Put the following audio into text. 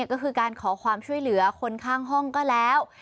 ก็คือการขอความช่วยเหลือคนข้างห้องก็แล้ว